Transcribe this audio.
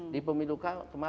di pemilu kemarin kita serius